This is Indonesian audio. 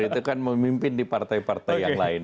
itu kan memimpin di partai partai yang lain